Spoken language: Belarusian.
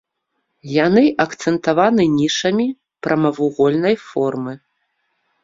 Яны акцэнтаваны нішамі прамавугольнай формы.